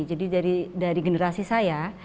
jadi dari generasi saya